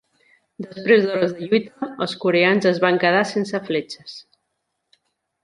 Després d'hores de lluita, els coreans es van quedar sense fletxes.